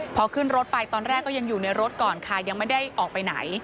พอขึ้นรถไปตอนแรกก็ยังอยู่ในรถก่อนค่ะยังไม่ได้ออกไปไหน